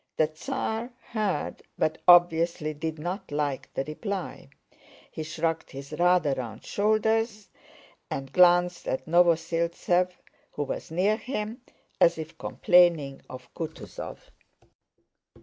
The Tsar heard but obviously did not like the reply; he shrugged his rather round shoulders and glanced at Novosíltsev who was near him, as if complaining of Kutúzov.